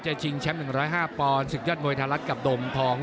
ชิงแชมป์๑๐๕ปอนด์ศึกยอดมวยไทยรัฐกับโดมทอง